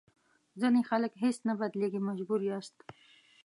ځینې خلک هېڅ نه بدلېږي مجبور یاست.